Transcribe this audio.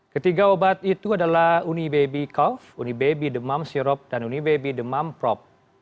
ketiga obat itu adalah unibaby cough unibaby demam sirop dan unibaby demam prop